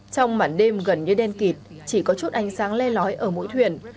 trong mảnh đêm gần như đen kịt chỉ có chút ánh sáng le lói ở mỗi thuyền